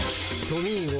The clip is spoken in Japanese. トミーゴ。